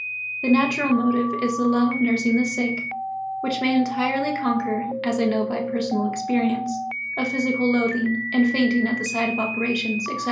The natural motive is the love of nursing the sick, which may entirely conquer (as I know by personal experience) a physical loathing and fainting at the sight of operations, etc.